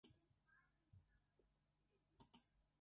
It might be got upon the guides — easily.